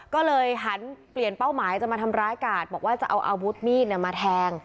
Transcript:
ก็เลยหันเปลี่ยนเป้าหมายจะมาทำร้ายกาดบอกว่าจะเอาอาวุธมีดมาแทง